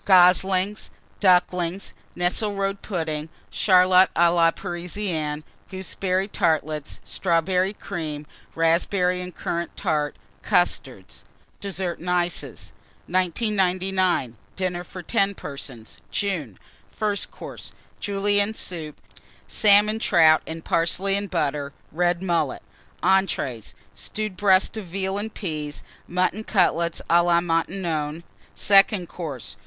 Goslings. Ducklings. Nesselrode Pudding. Charlotte à la Parisienne. Gooseberry Tartlets. Strawberry Cream. Raspberry and Currant Tart. Custards. DESSERT AND ICES. 1999. DINNER FOR 10 PERSONS (June). FIRST COURSE. Julienne Soup. Salmon Trout and Parsley and Butter. Red Mullet. ENTREES. Stewed Breast of Veal and Peas. Mutton Cutlets à la Maintenon. SECOND COURSE.